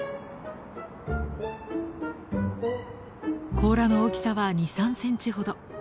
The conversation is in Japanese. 甲羅の大きさは２３センチほど。